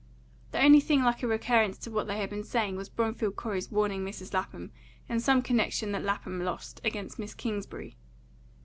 The only thing like a recurrence to what they had been saying was Bromfield Corey's warning Mrs. Lapham, in some connection that Lapham lost, against Miss Kingsbury.